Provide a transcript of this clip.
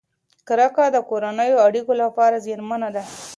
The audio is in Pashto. کرکه د کورنیو اړیکو لپاره زیانمنه ده.